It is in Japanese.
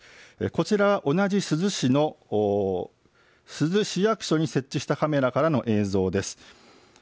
こちら同じ珠洲市の珠洲市役所に設置したカメラからの映像です。